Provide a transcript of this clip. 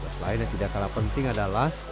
selain yang tidak kalah penting adalah